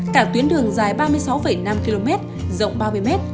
cả tuyến đường dài ba mươi sáu năm km rộng ba mươi m